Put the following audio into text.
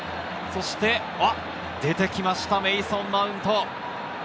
出てきました、メイソン・マウント。